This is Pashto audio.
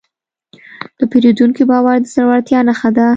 د پیرودونکي باور د زړورتیا نښه ده.